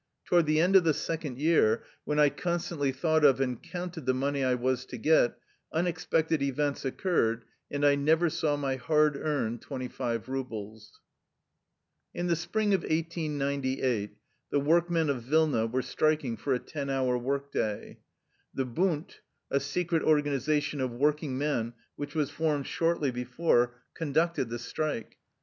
Toward the end of the second year, when I constantly thought of and counted the money I was to get, unexpected events occurred, and I never saw my hard earned twenty five rubles. In the spring of 1898 the workmen of Vilna were striking for a ten hour work day. The " Bund," a secret organization of working men which was formed shortly before, conducted the strike.